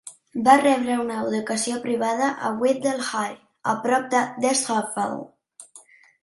Va rebre una educació privada a Whitley Hall a prop d'Ecclesfield.